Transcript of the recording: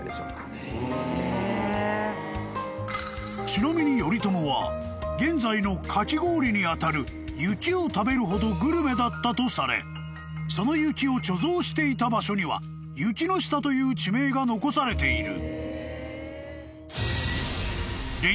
［ちなみに頼朝は現在のかき氷に当たる雪を食べるほどグルメだったとされその雪を貯蔵していた場所には雪ノ下という地名が残されている］